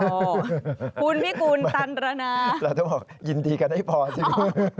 คุณพี่กุญตันรณาแล้วเธอบอกยินดีกันให้พอจริง